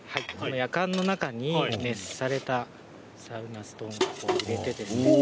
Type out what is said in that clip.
やかんの中に熱せられたサウナストーンを入れて。